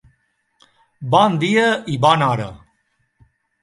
Bon dia i bona hora.